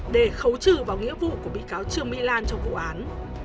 để khấu trừ vào nghĩa vụ của bị cáo trương mỹ lan trong vụ án